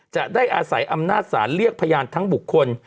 จะได้อาศัยอำนาจศาลเรียกพยานทั้งบุคคล